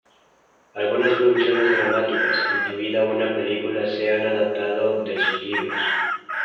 Algunas producciones dramáticas, incluida una película, se han adaptado de sus libros.